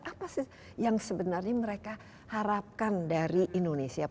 apa sih yang sebenarnya mereka harapkan dari indonesia